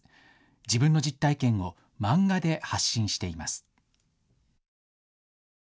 自分の実体験を漫画で発信しています。